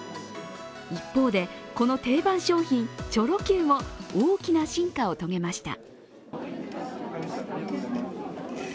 一方で、この定番商品、チョロＱも大きな進化を遂げました。